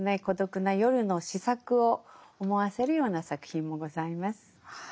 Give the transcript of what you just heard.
孤独な夜の詩作を思わせるような作品もございます。